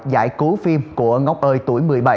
giải cứu phim của ngóc ơi tuổi một mươi bảy